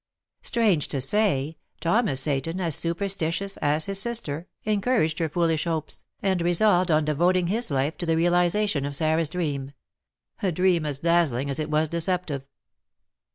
Strange to say, Thomas Seyton, as superstitious as his sister, encouraged her foolish hopes, and resolved on devoting his life to the realisation of Sarah's dream, a dream as dazzling as it was deceptive.